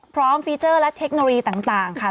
ฟีเจอร์และเทคโนโลยีต่างค่ะ